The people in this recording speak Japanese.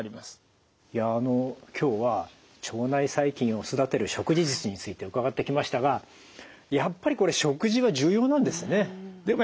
あの今日は腸内細菌を育てる食事術について伺ってきましたがやっぱりこれ食事は重要なんですね。